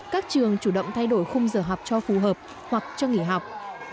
các trường chủ động thay đổi khung giờ học cho phù hợp hoặc cho nghỉ học